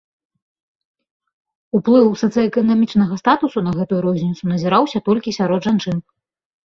Уплыў сацыяэканамічнага статусу на гэтую розніцу назіраўся толькі сярод жанчын.